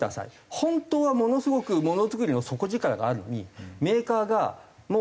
本当はものすごくものづくりの底力があるのにメーカーがもう右倣え。